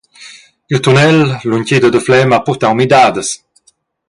Il tunnel, la untgida da Flem, ha purtau midadas.